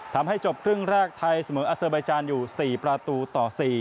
ทำให้จบครึ่งแรกไทยเสมออาเซอร์ไบจานอยู่๔ประตูต่อ๔